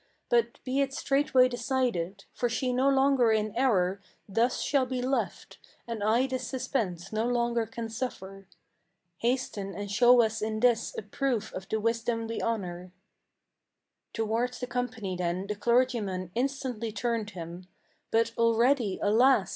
But be it straightway decided; for she no longer in error Thus shall be left, and I this suspense no longer can suffer. Hasten and show us in this a proof of the wisdom we honor." Towards the company then the clergyman instantly turned him; But already, alas!